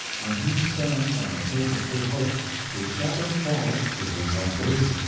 When he stands on the Cape of Good Hope, his shadow falls to the Zambesi.